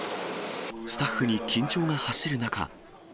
スタッフに緊張が走る中。